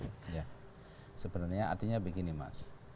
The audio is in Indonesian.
ya sebenarnya artinya begini mas